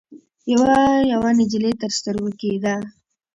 يوه يوه نجلۍ تر سترګو کېده.